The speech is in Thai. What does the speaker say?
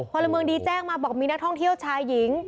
พลเมืองดีแจ้งมาบอกมีนักท่องเที่ยวชายหญิง